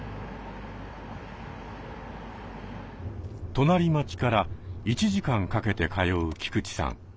隣町から１時間かけて通う菊地さん。